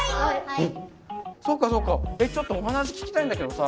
えちょっとお話聞きたいんだけどさ